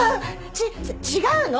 ち違うの！